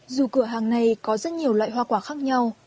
dù cửa hàng này có rất nhiều loại hoa quả khác nhau